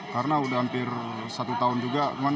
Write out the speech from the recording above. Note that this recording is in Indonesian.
karena udah hampir satu tahun juga